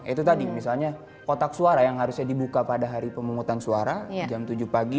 itu tadi misalnya kotak suara yang harusnya dibuka pada hari pemungutan suara jam tujuh pagi